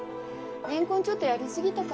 レンコンちょっとやり過ぎいや